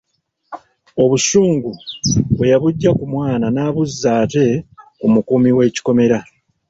Obusungu bwe yabuggya ku mwana n'abuzza ate ku mukuumi w'ekikomera.